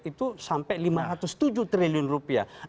itu sampai lima ratus tujuh triliun rupiah